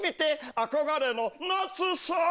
憧れの夏さ！